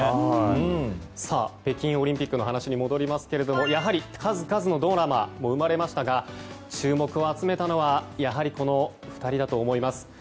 北京オリンピックの話に戻りますけれどもやはり数々のドラマも生まれましたが注目を集めたのはやはりこの２人だと思います。